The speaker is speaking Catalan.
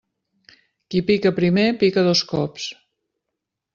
Qui pica primer, pica dos cops.